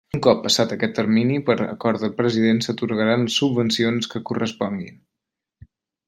Un cop passat aquest termini per acord del president s'atorgaran les subvencions que corresponguin.